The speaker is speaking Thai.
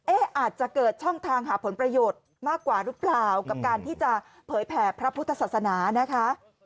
อาจจะเกิดช่องทางหาผลประโยชน์มากกว่าหรือเปล่ากับการที่จะเผยแผ่พระพุทธศาสนานะคะ